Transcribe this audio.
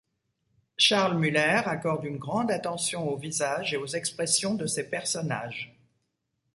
Charles Müller accorde une grande attention aux visages et aux expressions de ses personnages.